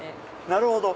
なるほど！